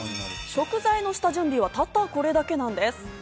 食材の下準備はたったこれだけなんです。